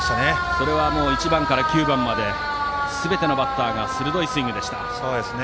それは１番から９番まですべてのバッターが鋭いスイングでした。